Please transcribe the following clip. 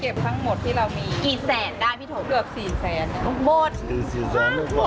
เกือบ๔แสนหมดหมดเลยหมดเลยมี๔แสนหรือเปล่า